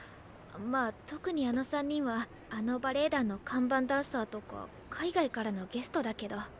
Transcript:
まあ特にあの三人はあのバレエ団の看板ダンサーとか海外からのゲストだけど。